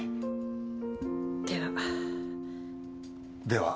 では。